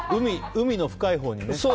海の深いほうにね。